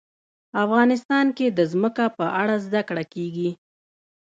افغانستان کې د ځمکه په اړه زده کړه کېږي.